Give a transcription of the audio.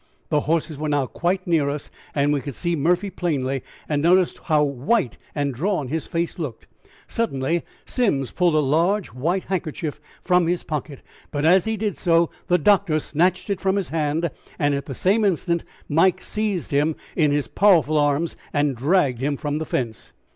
The horses were now quite near us, and we could see Murphy plainly, and noted how white and drawn his face looked. Suddenly Simms pulled a large white handkerchief from his pocket, but as he did so the doctor snatched it from his hand and at the same instant Mike seized him in his powerful arms, and dragged him from the fence.